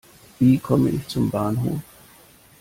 Wie komme ich zum Bahnhof?